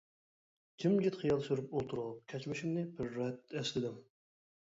جىمجىت خىيال سۈرۈپ ئولتۇرۇپ، كەچمىشىمنى بىر رەت ئەسلىدىم.